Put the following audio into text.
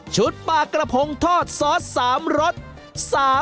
๒ชุดปลากระพงทอดซอสสามรส